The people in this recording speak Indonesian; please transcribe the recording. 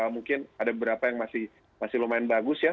mungkin ada beberapa yang masih lumayan bagus ya